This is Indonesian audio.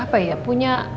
apa ya punya